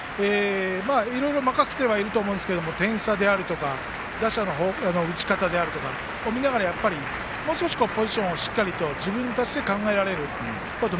いろいろ任せていると思うんですけれども点差であるとか打者の打ち方であるとかを見ながらもう少しポジションをしっかりと自分たちで考えられるように。